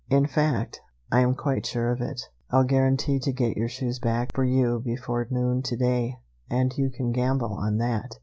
In fact, I am quite sure of it. I'll guarantee to get your shoes back for you before noon to day, and you can gamble on that!"